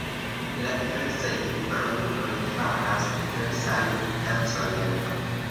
La diversaj roluloj faras diversajn dancojn.